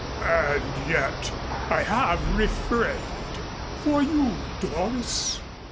And yet I have refrained for you, Doris.